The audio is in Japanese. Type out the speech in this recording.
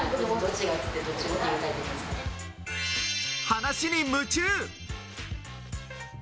話に夢中！